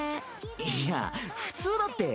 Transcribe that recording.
いや普通だって。